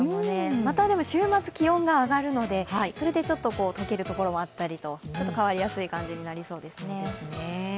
また、でも週末気温が上がるので、それで溶けるところもあったりとちょっと変わりやすい感じになりやすいですね。